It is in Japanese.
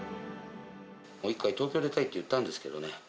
一回、東京に出たいって言ったんですけどね。